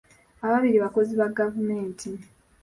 Ababiri bakozi ba gavumenti.